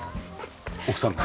奥さんの？